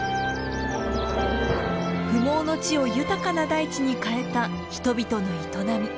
不毛の地を豊かな大地に変えた人々の営み。